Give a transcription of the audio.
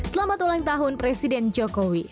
selamat ulang tahun presiden jokowi